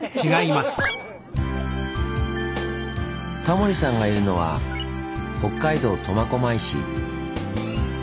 タモリさんがいるのは北海道苫小牧市。